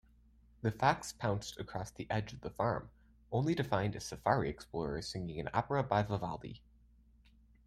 The fox pounced across the edge of the farm, only to find a safari explorer singing an opera by Vivaldi.